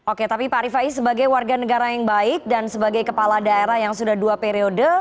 oke tapi pak rifai sebagai warga negara yang baik dan sebagai kepala daerah yang sudah dua periode